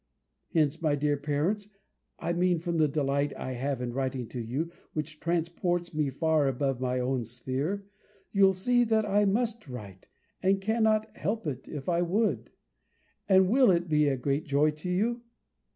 Hence, my dear parents (I mean, from the delight I have in writing to you, which transports me far above my own sphere), you'll see, that I must write, and cannot help it, if I would. And will it be a great joy to you?